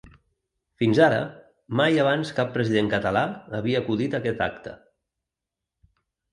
Fins ara, mai abans cap president català havia acudit a aquest acte.